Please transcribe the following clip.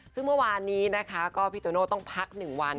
ซึ่งเมื่อวานนี้พี่โตโนต้องพัก๑วัน